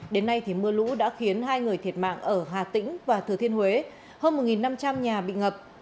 đến nay thì mưa lũ đã khiến hai người thiệt mạng ở hà tĩnh và thừa thiên huế hơn một năm trăm linh nhà bị ngập